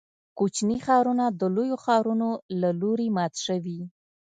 کوچني ښارونه د لویو ښارونو له لوري مات شوي.